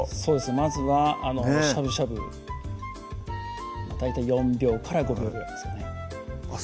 まずはしゃぶしゃぶ大体４秒から５秒ぐらいですよねあっ